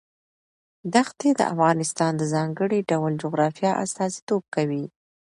دښتې د افغانستان د ځانګړي ډول جغرافیه استازیتوب کوي.